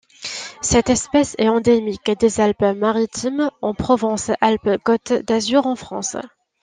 Cette espèce est endémique des Alpes-Maritimes en Provence-Alpes-Côte d'Azur en France.